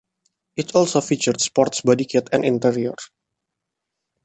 It also featured sports bodykit and interior.